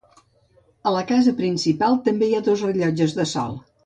A la casa principal també hi ha dos rellotges de sol.